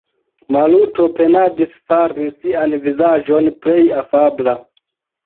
Maluto penadis fari sian vizaĝon plej afabla.